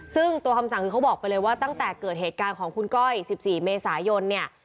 ซึ่งตัวคำสั่งคือเขาบอกไปเลยว่าตั้งแต่เกิดเหตุการณ์ของคุณก้อย๑๔เมษายนเนี่ย